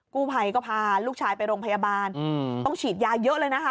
กู้ภัยก็พาลูกชายไปโรงพยาบาลต้องฉีดยาเยอะเลยนะคะ